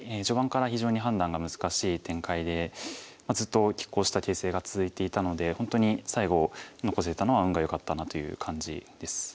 序盤から非常に判断が難しい展開でずっときっ抗した形勢が続いていたので本当に最後残せたのは運がよかったなという感じです。